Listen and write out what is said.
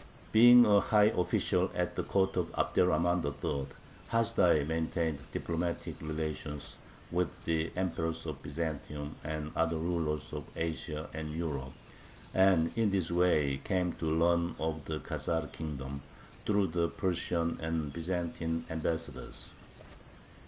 Being a high official at the court of Abderrahman III., Hasdai maintained diplomatic relations with the emperors of Byzantium and other rulers of Asia and Europe, and in this way came to learn of the Khazar kingdom, through the Persian and Byzantine ambassadors.